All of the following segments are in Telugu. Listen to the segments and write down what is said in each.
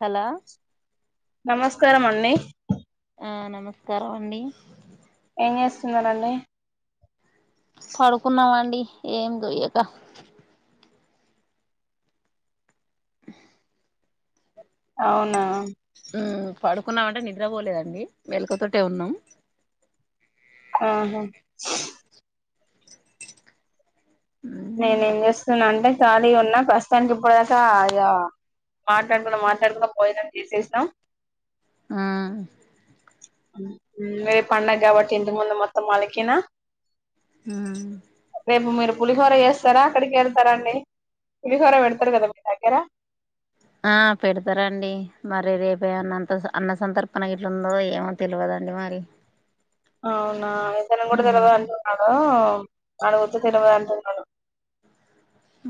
హలో నమస్కారం అండి ఆ నమస్కారం అండి ఏం జేస్తున్నారండి పడుకున్నామండి ఏం దోయ్యక [inaudible] అవునా పడుకున్నామంటే నిద్రబోలేదండి మెళకువతోటే ఉన్నాం ఆహా నేనే ఏం జేస్తున్నా అంటే ఖాళీ ఉన్నా ప్రస్తుతానికి ఇప్పటిదాకా ఇగ మాట్లాడుకుంటా మాట్లాడుకుంటా భోజనం చేసేసినాం ఆ రేప్ పండగ గాబట్టి ఇంటి ముందు మొత్తం అలికిన ఉమ్ రేపు మీరు పులిహోర జేస్తరా అక్కడికి యెళ్తారా అండి పులిహోర పెడతారు గదా మీ దగ్గర ఆ పెడతారాండి మరి రేపే అన్నంత అన్న సంతర్పణ గిట్ల ఉందో ఏమో తెలువదండి రండి మరి అవునా వద్దన్నా గూడా తినవే అంటున్నాడు అడుగుతే తినవే అంటున్నాడు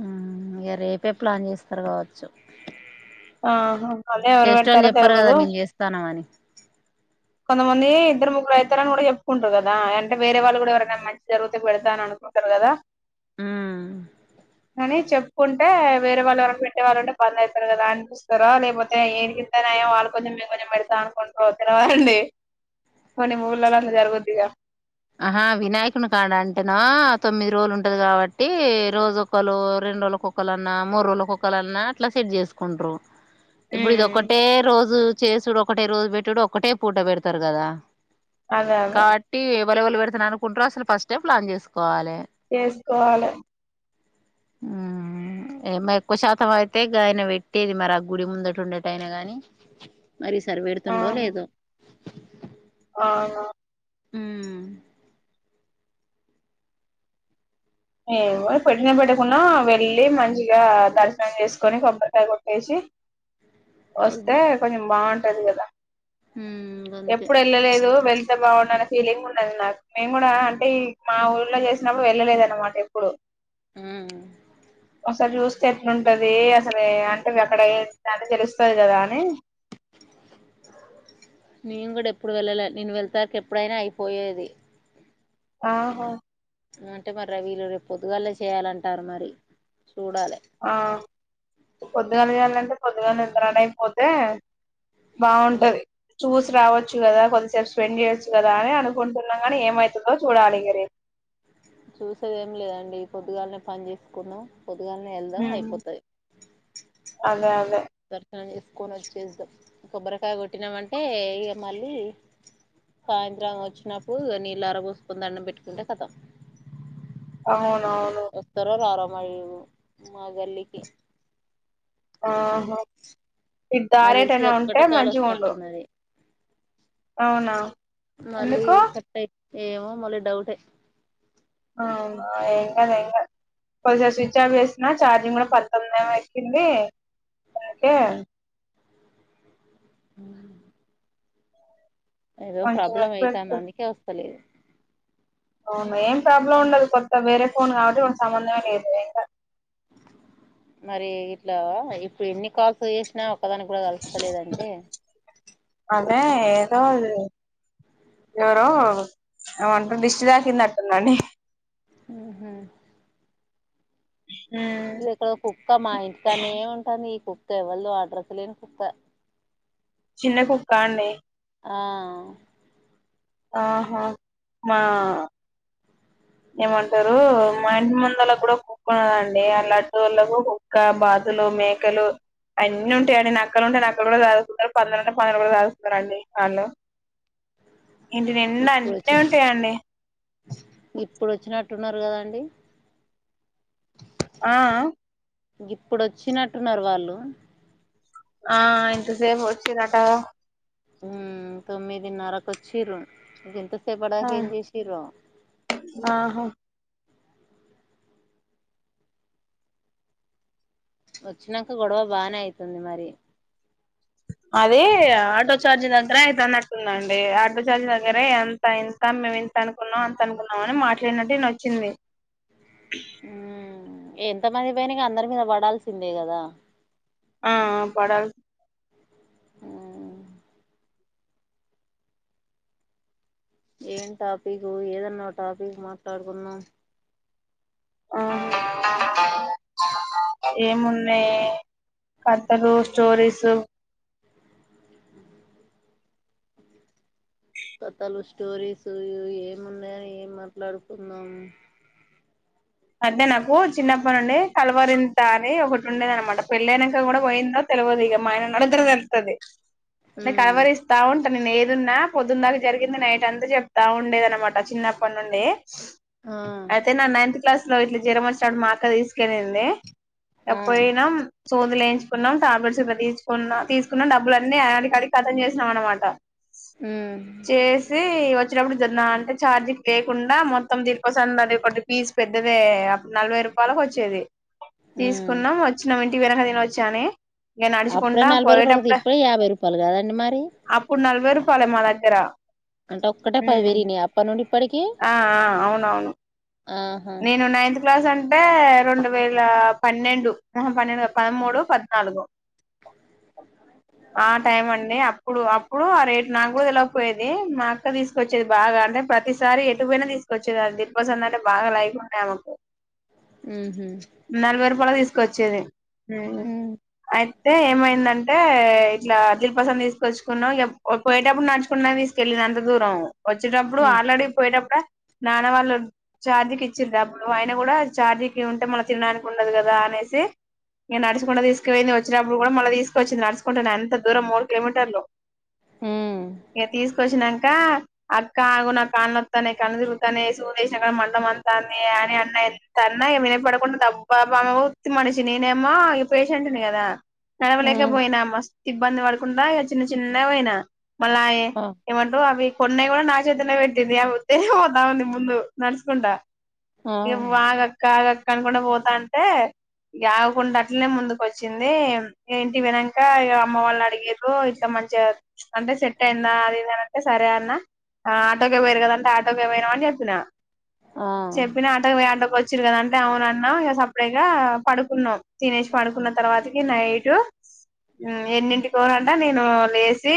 ఉమ్ ఇగ రేపే ప్లాన్ జేస్తరు గావచ్చు ఆహా అదే ఎవరు పెడతారో కదా తెలువదు మేము చేస్తాన్నామని కొంతమంది ఇద్దరు ముగ్గురు అయితరు అని గూడా చెప్పుకుంటారు గదా అంటే వేరే వాళ్ళు గూడా ఎవరన్నా మంచి జరుగుతే పెడతా అనుకుంటారు గదా మ్ కాని చెప్పుకుంటే వేరే వాళ్ళు వరకు పెట్టే వాళ్ళు ఉంటే బంద్ అయితరు గదా అని చూస్తారా లేకపోతే ఏనికిస్తారో యేమో వాళ్ళు కొంచెం మేము కొంచెం పెడతాం అనుకుంటార తెలవదండి కొన్ని ఊర్లలో అట్ల జరుగుద్దిగా ఆహా వినాయకుని కాడ అంటేనా తొమ్మిది రోజులు ఉంటది కాబట్టి రోజు ఒకరు రెండు రోజుల కొక్కలన్నా మూడు రోజుల కొక్కలన్నా అట్లా సెట్ జేసుకుంట్రు ఇప్పుడు ఇది ఉమ్ ఒక్కటే రోజు చేసుడు ఒకటే రోజు పెట్టుడు ఒక్కటే పూట పెడతరు గదా అదే అదే కాబట్టి ఎవళే ఎవళే పెడతాన అనుకుంటారో అసలు ఫస్టే ప్లాన్ జేసుకోవాలి చేసుకోవాలి ఉమ్ ఎక్కువ శాతం అయితే గాయన పెట్టేది మరి ఆ గుడి ముందట ఉండేటాయనా గాని మరి ఈసారి ఆ బెడుతుండో లేదో అవును ఉమ్ ఏమో పెట్టిన పెట్టకున్నా వెళ్ళి మంచిగా దర్శనం చేసుకొని కొబ్బరికాయ కొట్టేసి వస్తే చూద్దాం కొంచెం బాగుంటది గదా ఉమ్ గంతే ఎప్పుడు యెళ్ళలేదు వెళ్తే బాగుండాలి ఫీలింగ్ ఉండది నాకు మేము కూడా అంటే ఈ మా ఊళ్లో చేసినప్పుడు వెళ్ళలేదు అన్నమాట ఎప్పుడు ఉమ్ అసలు జూస్తే ఎట్లుంటది అసలు అంటే అక్కడ నాకు తెలుస్తది గదా అని నేను గూడా ఎప్పుడు వెళ్ళలే నేను వెళ్తాకి ఎప్పుడైనా అయిపోయేది ఆహా అంటే మరి వీళ్ళు రే పొద్దుగాలే చేయాలంటారు మరి చూడాలి ఆ పొద్దుగానే జేయాలంటే పొద్దుగానే పని అయిపోతే బాగుంటది చూసి రావచ్చు గదా కొద్దిసేపు స్పెండ్ జేయొచ్చు గదా అని అనుకుంటున్నాం కాని ఏమయితదో చూడాలి రేపు చూసేదేం లేదండి పొద్దుగాలనే పని జేసుకున్నాం పొద్దుగానే యెళ్దాం హ్మ్ అయిపోతది అదే అదే దర్శనం చేసుకొని వచ్చేద్దాం కొబ్బరికాయ కొట్టినామ అంటే ఇగ మళ్ళీ సాయంత్రం వచ్చినప్పుడు నీళ్లర పోసుకొని దండం పెట్టుకుంటే కథం అవును వస్తారో రారో అ మా గల్లికి ఆహా ఇ నాకు తెలిసి దారేటనా ఇది ఉంటే ఒక్కటే కాల్ మంచిగా ఉండు వస్తట్టున్నది అవునా మళ్ళీ ఎందుకు కట్ అయి ఏమో మళ్ళీ డౌట్ ఆ ఎం కాదు ఏం కాదు కొద్దిసేపు స్విచ్ ఆఫ్ చేసిన ఛార్జింగ్ కూడా పద్దొమ్మిది ఏమో ఎక్కింది [inaudible] అ ఏదో కొంచెం ప్రాబ్లం ఎక్కువ అయితాంది అందుకే వస్తలేదు అవునా ఏం ప్రాబ్లం ఉండదు కొత్త వేరే ఫోన్ కాబట్టి కొంత సంబంధమే లేదు ఇంకా మరి ఇట్లా ఇప్పుడు ఎన్ని కాల్స్ చేసినా ఒకదానికి కూడా కలుస్తలేదంటే ఏ ఏద ఎవరో అమంట దిష్టి దాకిందట్టుందండి ఆహా ఇది ఇక్కడ కుక్క మా ఇంటికనే ఏ ఉంటుంది ఈ కుక్క ఎవల్దో అడ్రస్ లేని కుక్క చిన్న కుక్క అండి ఆ ఆహా మా ఏమంటారు మా ఇంటి ముందు కూడా కుక్క ఉన్నదండి అ లడ్ వాళ్ళకు కుక్క బా పందులు మేకలు అన్ని ఉంటాయియండి నక్కలు ఉంటే నక్కలు కూడా దారుస్తున్నారురు పన్నెంలు ఉంటే పందులు కూడా దారుస్తురండి వాళ్ళు ఇంటి నిండా ఇప్పుడు అన్ని వచ్చి ఉంటాయండి ఇప్పుడు వచ్చినట్టున్నారు కదండి ఆ ఇప్పుడుచ్చినట్టున్నారు వాళ్ళు ఆ ఇంత సేపు వచ్చారట హ తొమ్మిదినరకు వచ్చిరు ఇది ఎంత ఆ చేపడానికి ఏం చేసిరో ఆహా వచ్చినాక గొడవ బానే అయితుంది మరి అ [inaudible] అద ఆటో ఛార్జ్ దగ్గర అయితేన్నట్టుందండి ఆటో ఛార్జ్ దగ్గరే ఎంత ఇంత మే అంత అనుకున్నావు అంత అనుకున్నావు అని మాట్లాడినట్టు వచ్చింది ఉ ఎంత మంది పైన అందరి మీద పడాల్సిందే కదా ఆ పడాలి ఉమ్ ఏం టాపిక్ ఏదన్నా టాపిక్ మాట్లాడుకున్నాం ఆ ఏమున్నాయి కథలు స్టోరీస్ కథాలు స్టోరీస్ ఏమున్నాయని ఏం మాట్లాడుకుందాం [inaudible] అంటే నాకు చిన్నప్పటి నుండి కలవరింత అని ఒకటి ఉండేది అన్న మాట పెళ్ళనాక కూడా పోయిందో తెల్వదు ఇక మాయన నడద్రతుది కవరిస్తా [inaudible] ఉంట అంట నేను ఏదున్నా పొద్దున్నందాక జరిగింది నైట్ అంతా చెప్తా ఉండేది అనమాట చిన్నప్పటి నుండి ఆ అయితే నా నైన్త్ క్లాస్ లో ఇట్లా జ్వరం వచ్చినప్పుడు మా అక్క తీసుకపోయింది ఆ పోయనం సూదులు ఎంచుకున్నాం ట్యాబ్లెట్ తీకు తీసుకున్న డబ్బులన్నీ ఆడికి ఆడికి కతం చేసినాం అన్న మాట ఉమ్ చేసి వ చ్చినప్పుడు తిన్నా అంటే ఛార్జింగ్ లేకుండా మొత్తం దిల్పసంద్ అది ఒకటి పీస్ పెద్దదే అపుడు నలభై రూపాయలకు వచ్చేది ఉమ్ తీసుకున్నాం వచ్చినం ఇంటికి పోయినాక తినొచ్చు అని ఇగ అప్పుడే నడుచుకుంట నలభై రూపాయలు కదా పోయేటప్పుడే ఇప్పుడే యాభై రూపాయలు కదండి మరి అప్పుడు నలభై రూ పాయలే మా దగ్గర అంటే ఒక్కటే పది ఉమ్ పెరిగినాయి అప్పటి నుండి ఇప్పటికి ఆ ఆ అవునవును ఆహా నేను నైన్త్ క్లాస్ అం టే రెండు వేల పన్నెండు ఆహా పన్నెండు కాదు పదమూడో పద్నాలుగో [inaudible] ఆ టైం అండి అప్పుడు అప్పుడు ఆ రేటు నాకు కూడా తెలవకపోయేది మా అక్క తీసుకొచ్చేది బాగా అంటే ప్రతిసారి ఎటుపోయినా తీసుకొచ్చేది దిల్పసంద్ అంటే బాగా లైక్ ఆమెకు ఉహు నలభై రూపాయలకి తీసుకొచ్చేది ఉమ్ అయితే ఏమైందం టే ఇట్లా అ దిల్పసంద్ తీసుకొచ్చుకున్నాం ఇగ పోయేటప్పుడు నడుచుకున్నా తీసుకెళ్ళింది అంత దూరం వచ్చేటప్పుడు ఆల్రెడీ పోయేటప్పుడు నాన్న వాళ్ళు చార్జి కి డబ్బులు అయినా కూడా ఛార్జీకి ఉంటే మళ్ళ తినడానికి ఉండదు కదా అనేసి ఇగ నడుచుకుంట తీసుకువోయింది వచ్చేటప్పుడు కూడా మళ్ళీ తీసుకువచ్చింది నడుచుకుంటనే అంత దూరం మూడు కిలోమీటర్లు ఉ ఇగ తీసుకొచ్చినం కా అక్క ఆగు నాకు కాళ్ళు నొత్తనాయి కండ్లు తిరుగుతున్నాయి సూది వేసిన కాడ మంట మండు తాంది అని అన్న ఎంత అన్నా వినపడకుండా దబ్బాబామ్మ ఉత్తి మనిషి నేనేమో ఈ పేషెంట్ కదా ఉ నడవలేకపోయినా మస్తు ఇబ్బంది పడకుండా ఇగ చిన్న చిన్నగా పోయినా మళ్ళ ఆయే ఏమంటావ్ అవి కొన్నవి కూడా నా చేతనే పెట్టింది ఆమె ఉత్తిగనే పోతాంది ముందు నడస్కుంట ఆ ఆ ఇగ ఆగక్క ఆగక్క అనుకుంటా పోతాంటే ఇంకా ఆగకుండా అట్లనే ముందుకు వచ్చింది ఇగ ఇంటికి పోయినంక ఇగ అమ్మ వాళ్ళు అడిగారు ఇట్లా మంచిగా అంటే సెట్ అయిందా అది ఇది అని అంటే సరే అన్న ఆ ఆటోకే పోయారు కదా అంటే ఆటోకే పోయినం అని చెప్పిన ఆ చెప్పినా ఆటోకి పోయి ఆటోకి వచ్చిర్రు కదా అంటే అవున అన్నా ఇగ సెపరేట్ గా పడుకున్నాం తినేసి పడుకున్న తర్వాత ఇగ నైటు ఎన్నింటి కోనంట నేను లేచి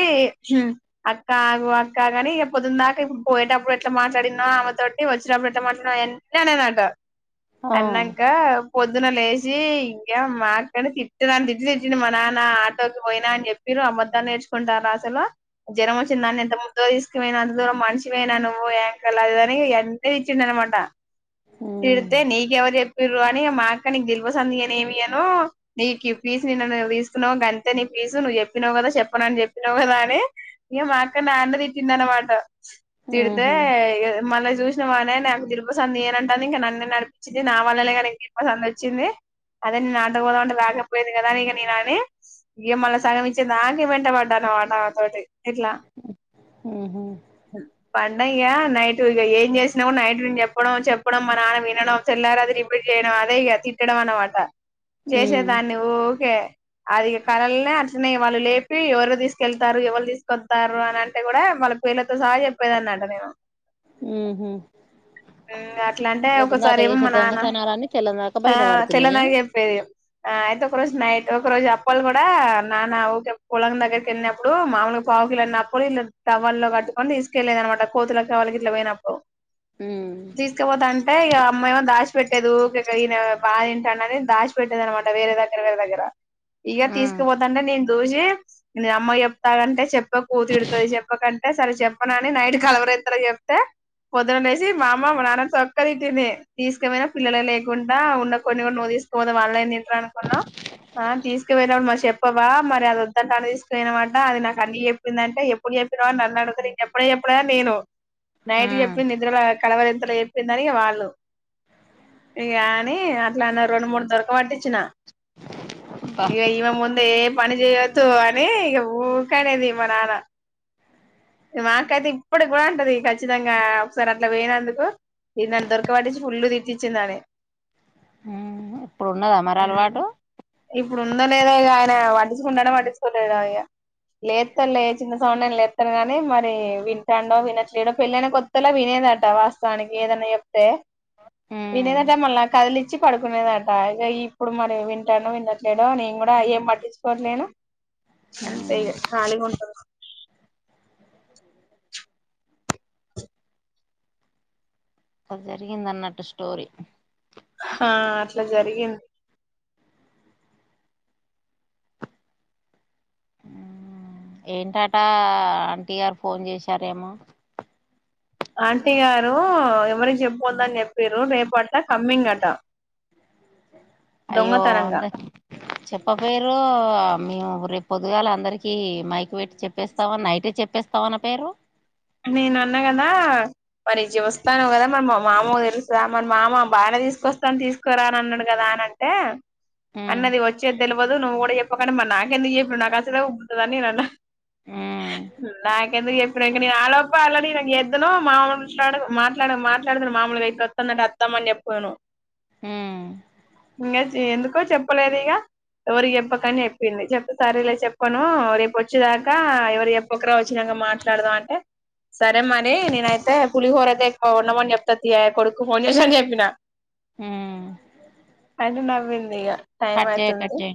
అక్క ఆగు అక్క ఆగు అని ఇగ పొద్దున దాకా ఇప్పుడు పోయేటప్పుడు ఎట్లా మాట్లాడిన్నో ఆమెతోటి వచ్చినప్పుడు ఇష్టం వచ్చింది అన్ని అన్నానంట ఆ అన్నాంకా పొద్దున లేచి ఇంకా మా అక్కని తిట్టరాన్ని తిట్లు తిట్టిండు మా నాన్న ఆటోకి పోయినా అని చెప్పి ర్రు అబద్ధాలు నేర్చుకుంటారా అసలు జ్వరం వచ్చినదాన్ని ఎంత ముద్దుగా తీసుకుపోయినావ అంతదూరం మనిషివేనా నువ్వు ఎంకర్ల అది ఇది అని అన్ని వచ్చిందిన్నమాట ఉమ్ తిడితే నీకెవరు చెప్పి ర్రు అని మా అక్కని దిల్పసంద్ ఇవ్వను ఏమి ఇవ్వను నీకు ఈ ఫీసు నిన్ననే తీసుకున్నావు గంతే నీ పీసు నువ్వు చెప్పినావు కదా చెప్పనని చెప్పినావు కదా అని ఇగ మా అక్క నన్నుదిట్టిందనమాట. తిడితే ఉహు మళ్ళ చూసినవానే నాకు దిల్పసంద్ ఇయ్యనంటాంది ఇంకా నన్నే నడిపించింది నా వల్లనే కదా ఇంకా దిల్పసంద్ వచ్చింది అదే నేను ఆటో కి పోదాం అంటె రాకపోయింది కదా ఇగ నేను అని ఇగ మళ్ళ సగం ఇచ్చే దానికి వెంట పడ్డాను అనమాట ఆమెతోటి ఇట్లా ఉ ఉహూ పండయ్య నైట్ ఇక ఏం చేసినా గుడా నైట్ నేను చెప్పడం చెప్పడం మా నాన్న వినడం తెల్లారు అది రిపీట్ చేయడం అదే ఇక తిట్టడం అన్నమాట ఉమ్ చేసేదాన్ని ఊకే అది కలల్నే అరిచిన ఇగ వాళ్ళు లేపి ఎవరు తీసుకెళ్తారు ఎవరు తీసుకొతారు అని అంటే కూడా వాళ్ళ పేర్లతో సహా చెప్పేదాన్ని అంట నేను ఉహు ఉమ్ గట్ల అంటే ఒకసారి పొద్దుందాకా ఏమో చేసే మా నాన్న దొంగతనాలన్నీ తెల్లందాకా ఆ బయట పడుతున్నాయా చెల్లెనకు చెపేది ఆ అయితే ఒక రోజు నైట్ ఒక రోజు అ అప్పలు కూడా నాన్న ఊకే పొలం దగ్గరికిిలి న్నప్పుడు మామూలుగా పావుకిళ్ళ అప్పలు టవలో కట్ కట్టుకుని తీసుకెళ్లేదనమాట కోతులకు కావాలకి ఇట్లా పోయినప్పుడు తీసుకపోతాంటే ఇక అమ్మ ఏమో దాష్ దసి పెట్టేది ఊకె ఈయన బాగా తింటాడు అని దాచిపెట్టది అనమాట వేరే దగ్గరే దగ్గర ఇక ఉ తీసుకుపోతాంటే నేను దుసి నేను అమ్మకి చెప్తా కంటే చెప్పకు తిడుతది చెప్పకంటే సరే చెప్పనని నైట్ కలవరేంత చెప్తే పొదు మా అమ్మ మా నాన్న సక్కగా తిట్టింది తీసుకపోయినా పిల్లలు లేకుండా ఉన్న కొన్ని కూడా నువ్వు తీసుకోతె వాళ్ళ ఏం తింటరనుకున్నావ్ ఆ తీసుకుపోయినావ్ మరి చెప్పవా మరి అది వద్దంటంటే తీసుకుపోయినమాట అది నాకు అన్ని చెప్పింది అంటే ఎప్పుడు చెప్పినవ్ నన్ను అడతాడు నేను చెప్పానే చెప్పాలా నేను నైట్ చెప్పింది అబ్బా నిద్రలో కలవరింతలో చెప్పిందని వాళ్ళు ఇగ అని అట్లాన్నారు రెండు మూడు దొరక పట్టించిన ఇగ ఈమె ముందు ఎం పని చేయొద్దు అని ఇక ఊకేనేది మా నాన్న మా అక్క అయితే ఇప్పుడు కూడా అంటది ఖచ్చితంగా ఒకసారి ఇట్లా పోయినందుకు ఇది నన్ను దొరకబటించి పుల్ తిట్టిచ్చిందని ఇప్పుడు ఉన్నదా మరి అలవాటు ఇప్పుడు ఉందొ లేదో ఇగ వండించుకుంటాడో వంటించుకోలేడో ఇగ లేత్తడు లే చిన్న సౌండైన లేతడు గానీ మరి వింటాండో వినట్లేయడ పెళ్ళనా కొత్తలా వినేది. వాస్తవానికి ఏదన్నా చెప్తే ఉమ్ వినేదట మళ్ళి కదిలిచ్చి పడుకునేదట ఇగ ఇప్పుడు మరి వింటాండొ వినట్లేడో నేను కూడా ఏం పట్టించుకోట్లేను ఉమ్ అంతేగా కాలిగుంట కదా జరిగింద అన్నట్టు స్టోరీ ఆ అట్లా జరిగింది ఏంటటా ఆంటీ గారు ఫోన్ చేశారేమో ఆంటీ గారు ఎవరికి చెప్పందని చెప్పారు రేపట కమ్మింగ్ అట అయ్యో దొంగతనంగా అంత చెప్పపోయరు మీము పొదుగాల అందరిక మైక్ పెట్టి చెప్పేస్తావాని నైట్ ఏ చెప్పేస్తావా అన పేర్ర్ నేను అన్నా కదా మరి ఇ జుస్తానవు కదా మరి మా మామ తెలుసా మన మామ బార తీసుకొస్తాను తీసుకోరా అని అన్నాడు కదా అన అంటే ఉమ్ అన్నది వచ్చేది తెలియదు నువ్వు కూడా చెప్పకు మరి నాకెందుకు చెప్పుడు నాకు అస ఉబ్బుతుందిని నే అన్నా ఉమ్ నాకెందుకు చెప్పి నేను ఆలోప అలాని నాకు చేద్ద్ను మామూలు మాట్లాడు మాట్డ మాట్లాడుతును మామలు యిపు వస్తుందంటే అతమని చెప్పదును ఉమ్ ఇంకా ఎందుకో చెప్పలేదు ఇక ఎవరికి చెప్పకని చెప్పింది చెప్పు సరేలే చెప్పను రేపు వచ్చేదాకా ఎవరు చెప్పకురా వచ్చిన మాట్లాడదాం అంటే సరేమ్మాని నేనయితే పులిహోర ద ఉన్నామని చెప్తా కొడుకు ఫోన్ చేశా అని చెప్పిన మ్మ్ అయితే నవ్వింది ఇక టైం కట్ చేయి అయితుంది కట్ చేయి